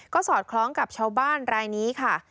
ก็สอดคล้องกับชาวบ้านรายนี้ค่ะ